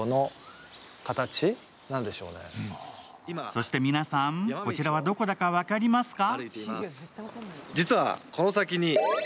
そして皆さん、こちらはどこだか分かりますか？